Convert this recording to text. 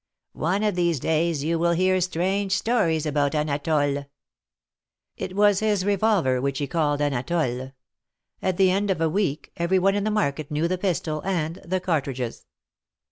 One of these days you will hear strange stories about Anatole." It was his revolver which he called Anatole. At the end of a week, every one in the market knew the pistol, and the cartridges.